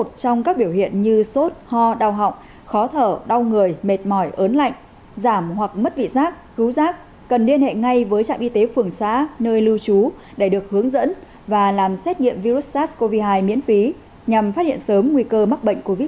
trong các biểu hiện như sốt ho đau họng khó thở đau người mệt mỏi ớn lạnh giảm hoặc mất vị giác cứu giác cần liên hệ ngay với trạm y tế phường xã nơi lưu trú để được hướng dẫn và làm xét nghiệm virus sars cov hai miễn phí nhằm phát hiện sớm nguy cơ mắc bệnh covid một mươi chín